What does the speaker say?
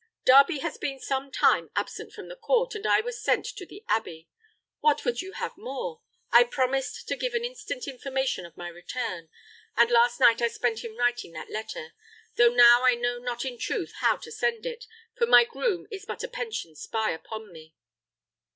Darby has been some time absent from the court, and I was sent to the abbey. What would you have more? I promised to give instant information of my return; and last night I spent in writing that letter, though now I know not in truth how to send it, for my groom is but a pensioned spy upon me."